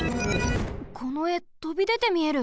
このえとびでてみえる。